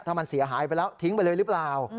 ถ้ามันเสียหายไปแล้วทิ้งไปเลยหรือเปล่า